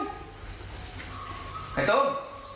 ไข่ต้ม